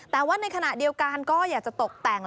แต่ว่าในขณะเดียวกันก็อยากจะตกแต่ง